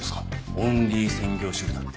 オンリー専業主婦だって。